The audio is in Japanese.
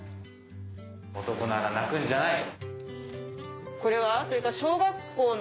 ・「男なら泣くんじゃない」・・